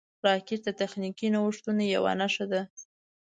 راکټ د تخنیکي نوښتونو یوه نښه ده